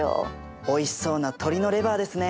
おいしそうな鶏のレバーですね。